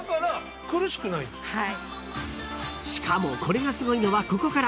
［しかもこれがすごいのはここから］